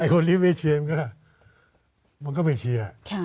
คนที่ไม่เชียร์มันก็ไม่เชียร์